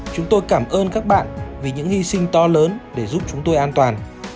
chúng tôi cảm ơn các bạn vì những hy sinh to lớn để giúp chúng tôi an toàn